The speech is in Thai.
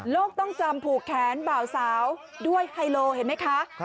ต้องจำผูกแขนบ่าวสาวด้วยไฮโลเห็นไหมคะ